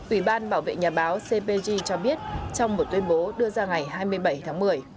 ủy ban bảo vệ nhà báo cpg cho biết trong một tuyên bố đưa ra ngày hai mươi bảy tháng một mươi